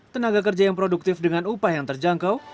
tenaga kerja yang produktif dengan upah yang terjangkau